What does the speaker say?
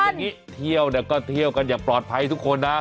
อย่างนี้เที่ยวเนี่ยก็เที่ยวกันอย่างปลอดภัยทุกคนนะ